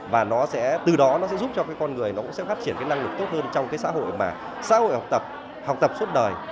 và nó sẽ từ đó nó sẽ giúp cho cái con người nó cũng sẽ phát triển cái năng lực tốt hơn trong cái xã hội mà xã hội học tập học tập suốt đời